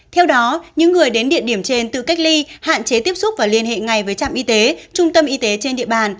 theo đó những người đến địa điểm trên tự cách ly hạn chế tiếp xúc và liên hệ ngay với trạm y tế trung tâm y tế trên địa bàn